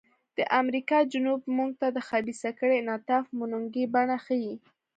د امریکا جنوب موږ ته د خبیثه کړۍ انعطاف منونکې بڼه ښيي.